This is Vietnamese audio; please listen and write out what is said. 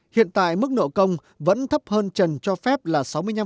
hiện tại mức nợ công vẫn thấp hơn trần cho phép là sáu mươi năm